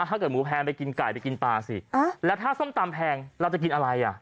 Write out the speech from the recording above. ถ้าเกิดหมูแพงไปกินไก่ไปกินปลาสิแล้วถ้าส้มตำแพงเราจะกินอะไรอ่ะ